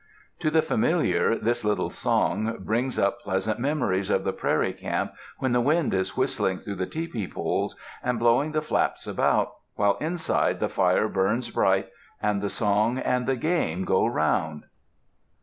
"To the familiar, this little song brings up pleasant memories of the prairie camp when the wind is whistling through the tipi poles and blowing the flaps about, while inside the fire burns bright and the song and the game go round."